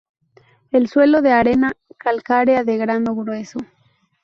El suelo de arena calcárea de grano grueso.